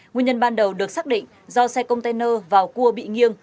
nguyên nhân ban đầu được xác định do xe container vào cua bị nghiêng